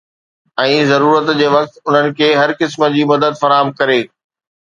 ۽ ضرورت جي وقت انهن کي هر قسم جي مدد فراهم ڪري.